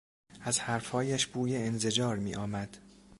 از حرف هایش بوی انزجار میآمد.